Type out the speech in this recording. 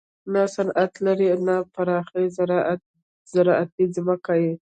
نه صنعت لري او نه پراخې زراعتي ځمکې.